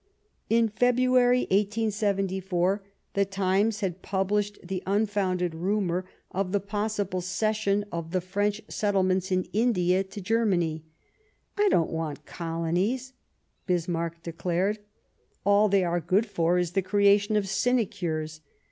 In February 1874 the Times had published the unfounded rumour of the possible cession of the French settlements in India to Germany. " I don't want colonies," Bismarck declared; "all they are good for is the creation of sinecures.